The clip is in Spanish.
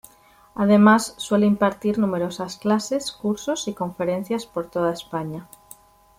Además suele impartir numerosas clases, cursos y conferencias por toda España.